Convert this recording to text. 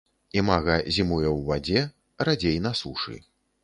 Імага зімуе ў вадзе, радзей на сушы.